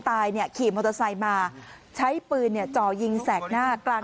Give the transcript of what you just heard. ตายเนี่ยขี่มอเตอร์ไซค์มาใช้ปืนจ่อยิงแสกหน้ากลาง